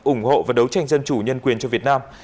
ủng hộ và đấu tranh dân chủ nhân quyền cho việt nam